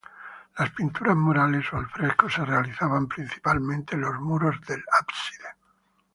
Las pinturas murales o al fresco se realizaban principalmente en los muros del ábside.